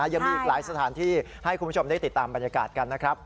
ยังมีอีกหลายสถานที่ให้คุณผู้ชมได้ติดตามบรรยากาศกันนะครับ